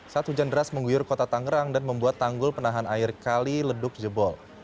saat hujan deras mengguyur kota tangerang dan membuat tanggul penahan air kali leduk jebol